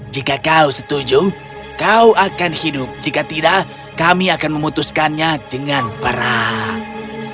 jika kau setuju kau akan hidup jika tidak kami akan memutuskannya dengan perang